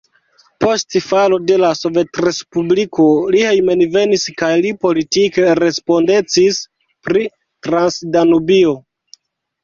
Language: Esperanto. Post falo de la sovetrespubliko li hejmenvenis kaj li politike respondecis pri Transdanubio.